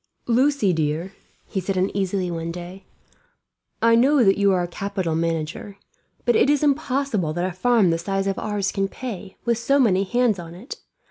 "Lucie, dear," he said uneasily one day, "I know that you are a capital manager; but it is impossible that a farm the size of ours can pay, with so many hands on it.